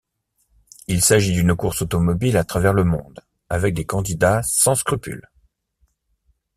Il s'agit d'une course automobile à travers le monde avec des candidats sans scrupules.